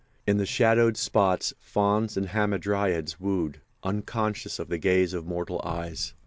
In the shadowed spots fauns and hamadryads wooed, unconscious of the gaze of mortal eyes.